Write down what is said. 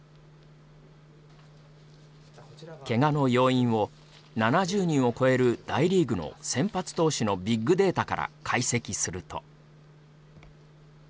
けがの要因を７０人を超える大リーグの先発投手のビッグデータから解析すると。